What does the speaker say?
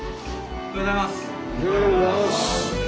おはようございます。